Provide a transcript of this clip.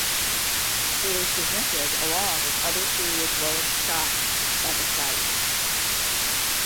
It is presented along with other period rolling stock at the site.